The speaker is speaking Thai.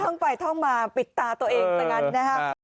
ท่องไปท่องมาปิดตาตัวเองซะงั้นนะครับ